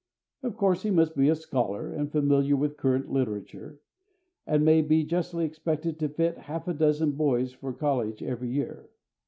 Of course he must be a scholar, and familiar with current literature, and he may justly be expected to fit half a dozen boys for college every year.